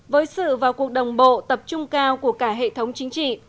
với sự vào cuộc đồng bộ tập trung cao của cả hệ thống chính trị